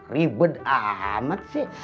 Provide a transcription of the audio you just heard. ribet amat sih